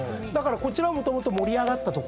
こちらもともと盛り上がった所。